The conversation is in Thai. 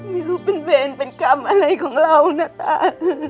ไม่รู้เป็นเวรเป็นกรรมอะไรของเรานะตา